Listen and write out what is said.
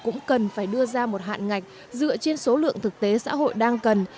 cũng cần phải đưa ra một hạn ngạch dựa trên số lượng thực tế xã hội đang cần